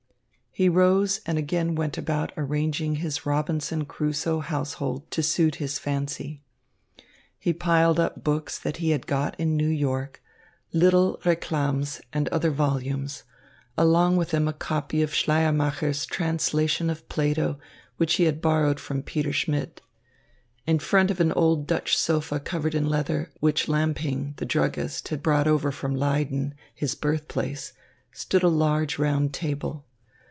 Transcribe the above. He rose and again went about arranging his Robinson Crusoe household to suit his fancy. He piled up books that he had got in New York, little Reclams and other volumes, among them a copy of Schleiermacher's translation of Plato, which he had borrowed from Peter Schmidt. In front of an old Dutch sofa covered in leather, which Lamping, the druggist, had brought over from Leyden, his birthplace, stood a large, round table.